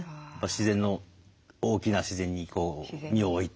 自然の大きな自然にこう身を置いて。